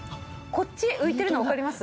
こっち浮いてるのわかります？